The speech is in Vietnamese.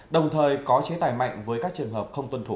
đồng thời có chế tài mạnh với các trường hợp không tuân thủ